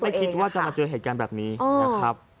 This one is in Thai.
ไม่คิดว่าจะมาเจอเหตุการณ์แบบนี้นะครับ